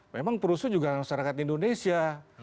memang perusuh juga masyarakat indonesia